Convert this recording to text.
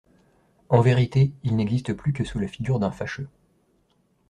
En vérité, il n'existe plus que sous la figure d'un fâcheux.